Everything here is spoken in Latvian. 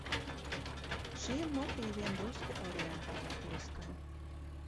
Šiem motīviem drusku orientāla pieskaņa.